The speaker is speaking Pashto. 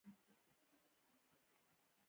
تعلیم نجونو ته د ښو اخلاقو اهمیت ښيي.